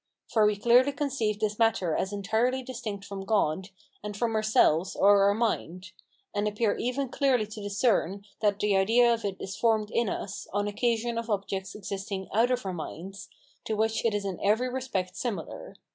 For we clearly conceive this matter as entirely distinct from God, and from ourselves, or our mind; and appear even clearly to discern that the idea of it is formed in us on occasion of objects existing out of our minds, to which it is in every respect similar.